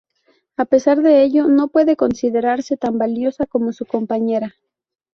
A pesar de ello, no puede considerarse tan valiosa como su compañera.